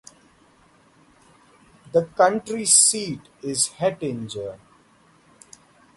The county seat is Hettinger.